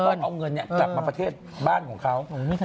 เอาเงินกลับมาประเทศบ้านของเขา